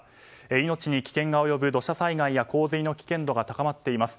命に危険が及ぶ土砂災害や洪水の危険度が高まっています。